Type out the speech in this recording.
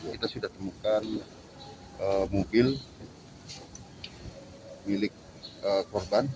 kita sudah temukan mobil milik korban